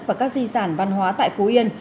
và các di sản văn hóa tại phú yên